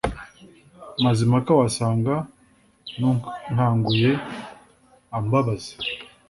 Mazimpaka wasaga n'unkanguye ambabaza.